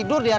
iya gak jadi